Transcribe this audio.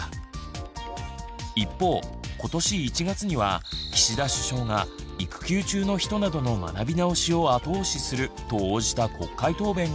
一方今年１月には岸田首相が「育休中の人などの学び直しを後押しする」と応じた国会答弁が炎上。